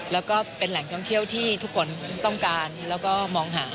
แล้วก็เป็นแหล่งท่องเที่ยวที่ทุกคนต้องการแล้วก็มองหา